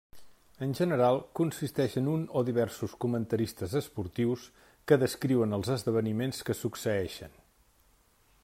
En general, consisteix en un o diversos comentaristes esportius que descriuen els esdeveniments que succeeixen.